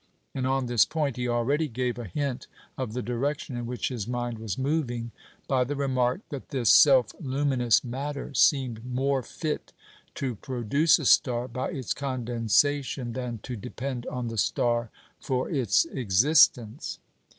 And on this point he already gave a hint of the direction in which his mind was moving by the remark that this self luminous matter seemed "more fit to produce a star by its condensation, than to depend on the star for its existence."